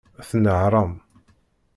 Tnehṛem.